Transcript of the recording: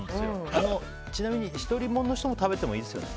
ちなみに、独り者の人が食べてもいいですよね。